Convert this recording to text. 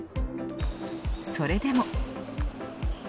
それでも。